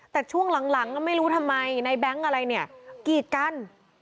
แต่ช่วงหลังก็ไม่รู้ทำไมในแบงค์อะไรเนี่ยกีดกัน